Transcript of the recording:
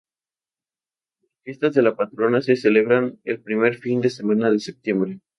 Las fiestas de la patrona se celebran el primer fin de semana de Septiembre.